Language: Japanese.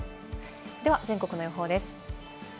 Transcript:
では全国の予報です。